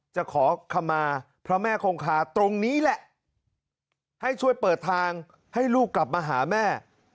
จะขอคำมาพระแม่คงคาตรงนี้แหละให้ช่วยเปิดทางให้ลูกกลับมาหาแม่